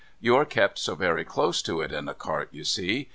You are kept so very close to it in a cart, you see.